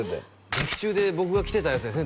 劇中で僕が着てたやつですね